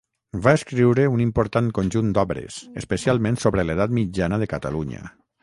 Va escriure un important conjunt d'obres, especialment sobre l'Edat mitjana de Catalunya.